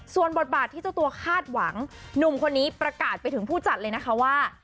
ส่วนบทบาทที่เจ้าตัวคาดหวังหนุ่มคนนี้ประกาศไปถึงผู้จัดเลยนะคะว่า